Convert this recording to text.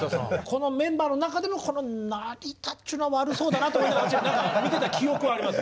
このメンバーの中でもこの成田っちゅうのは悪そうだなと思いながら見てた記憶はあります